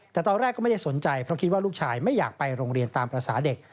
แต่ตอนแรกก็ไม่ได้สนใจเพราะคิดว่าลูกชายไม่อยากไปโรงเรียนตามภาษาเด็ก